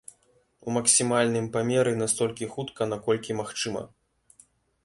У максімальным памеры і настолькі хутка, наколькі магчыма.